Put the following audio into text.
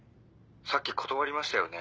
さっき断りましたよね。